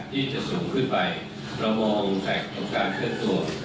ที่จะสูงขึ้นไปเรามองแท็กของการเคลื่อนตัว